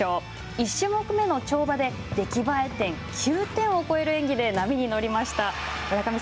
１種目めの跳馬で出来栄え点９点を超える演技で波に乗りました。